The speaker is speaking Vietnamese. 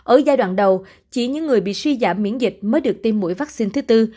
ở giai đoạn đầu chỉ những người bị suy giảm miễn dịch mới được tiêm mũi vaccine thứ tư